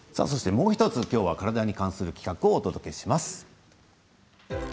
もう１つ、体に関する企画をお届けします。